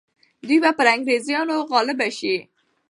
دوی به پر انګریزانو غالب سي.